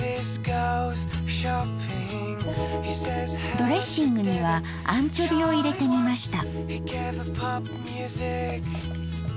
ドレッシングにはアンチョビを入れてみました。